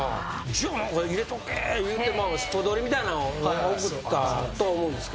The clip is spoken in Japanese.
じゃあ何か入れとけいうてスポドリみたいなんを贈ったと思うんですけど。